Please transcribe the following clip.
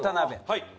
はい。